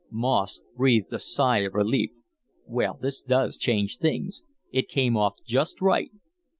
Moss breathed a sigh of relief. "Well, this does change things. It came off just right."